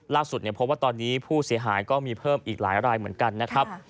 พบว่าตอนนี้ผู้เสียหายก็มีเพิ่มอีกหลายรายเหมือนกันนะครับ